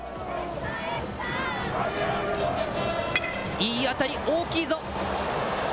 いい当たり、大きいぞ。